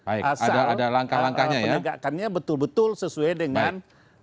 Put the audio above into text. asal penegakannya betul betul sesuai dengan hukum itu sendiri